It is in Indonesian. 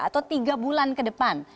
atau tiga bulan kedepan